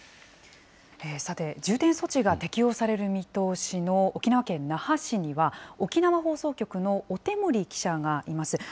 さて、重点措置が適用される見通しの沖縄県那覇市には、沖縄放送局の小手森記者がいます。